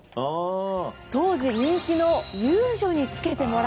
当時人気の遊女につけてもらった。